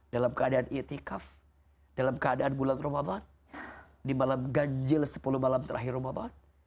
dalam keadaan itikaf dalam keadaan bulan ramadan di malam ganjil sepuluh malam terakhir ramadan